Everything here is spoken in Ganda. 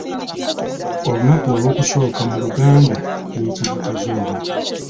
Olunaku olw'okusooka mu luganda luyitibwa Kazooba.